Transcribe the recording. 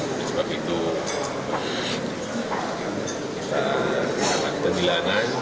oleh sebab itu kita berpikir kemilanan